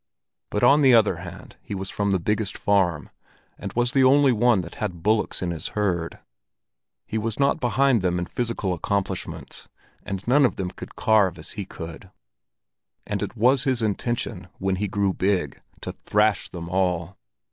But on the other hand he was from the biggest farm, and was the only one that had bullocks in his herd; he was not behind them in physical accomplishments, and none of them could carve as he could. And it was his intention, when he grew big, to thrash them all.